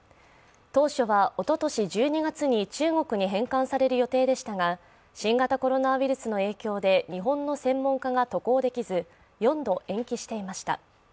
当初は、おととし１２月に中国に返還される予定でしたが、新型コロナウイルスの影響で日本の専門家が渡航できず４度延期していました。